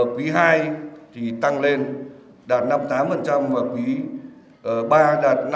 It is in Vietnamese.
quý ii thì tăng lên đạt năm mươi tám và quý iii đạt năm mươi bốn